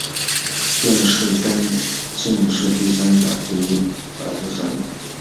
殿试登进士第三甲第一百五十三名。